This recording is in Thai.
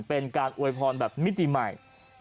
เป็นการอวยพรแบบมิติใหม่